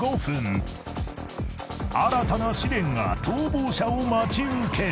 ［新たな試練が逃亡者を待ち受ける］